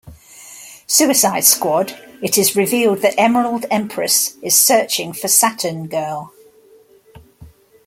Suicide Squad, it is revealed that Emerald Empress is searching for Saturn Girl.